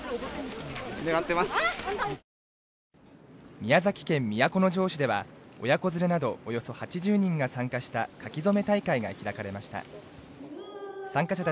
宮崎県都城市では、親子連れなどおよそ８０人が参加した書き初め大会が開かれました。